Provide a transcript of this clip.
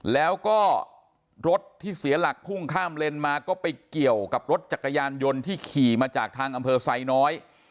แล้วก็รถที่เสียหลักพุ่งข้ามเลนมาก็ไปเกี่ยวกับรถจักรยานยนต์ที่ขี่มาจากทางอำเภอไซน้อย